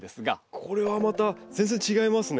これはまた全然違いますね。